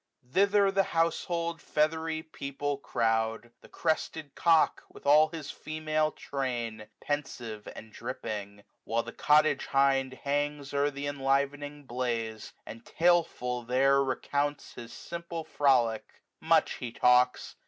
Thither the household feathery people crowds The crested cock^ with aU his female train, Pensive, and dripping; while the cottage hind Hangs o'er th' enlivening blaze, and taleful there 90 Recounts his simple frolic : much he talks.